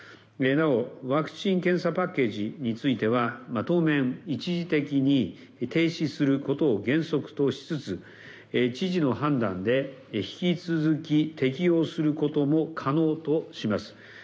なおワクチン・検査パッケージについては、当面、一時的に停止することを原則としつつ、知事の判断で引き続き適用することも可能とします。